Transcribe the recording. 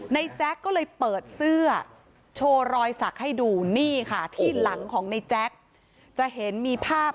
แจ๊กก็เลยเปิดเสื้อโชว์รอยสักให้ดูนี่ค่ะที่หลังของในแจ๊กจะเห็นมีภาพ